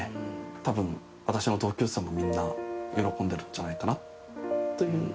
多分私の同級生もみんな喜んでるんじゃないかなという。